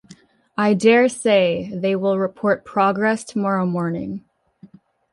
I dare say they will report progress tomorrow morning.